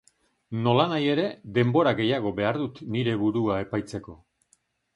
Nolanahi ere, denbora gehiago behar dut nire burua epaitzeko.